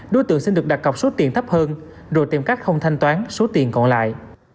đối tượng xin được đặt cọc số tiền thấp hơn rồi tìm cách không thanh toán số tiền còn lại